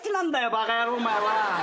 バカ野郎お前は。